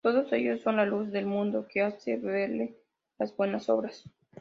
Todos ellos son la luz del mundo, que hace verle las buenas obras.